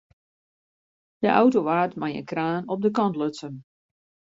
De auto waard mei in kraan op de kant lutsen.